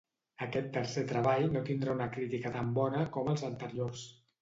Aquest tercer treball no tindrà una crítica tan bona com els anteriors.